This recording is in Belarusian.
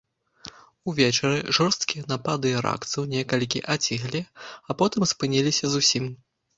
Увечары жорсткія напады іракцаў некалькі аціхлі, а потым спыніліся зусім.